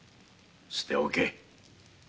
捨ておけ。